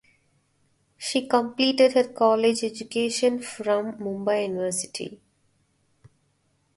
She completed her college education from Mumbai University.